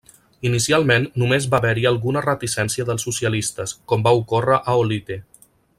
Inicialment només va haver-hi alguna reticència dels socialistes, com va ocórrer a Olite.